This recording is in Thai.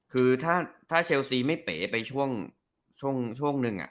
คือถ้าเชลซีไม่เป๋ไปช่วงหนึ่ง